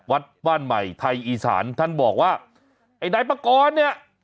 วัดว่านใหม่ไทยอีสานท่านบอกว่าไอไนปะก้อเนี้ย